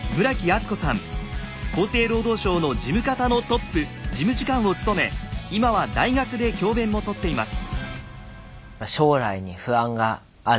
厚生労働省の事務方のトップ事務次官を務め今は大学で教べんもとっています。